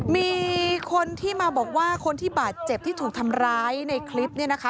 มีคนที่มาบอกว่าคนที่บาดเจ็บที่ถูกทำร้ายในคลิปเนี่ยนะคะ